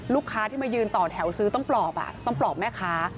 ลูกค้าที่มายืนต่อแถวซื้อต้องปลอบต้องปลอบแม่ค้า